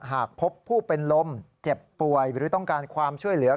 หากพบผู้เป็นลมเจ็บป่วยหรือต้องการความช่วยเหลือ